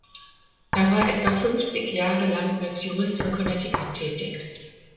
Er war etwa fünfzig Jahre lang als Jurist in Connecticut tätig.